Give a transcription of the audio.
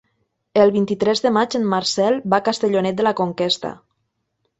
El vint-i-tres de maig en Marcel va a Castellonet de la Conquesta.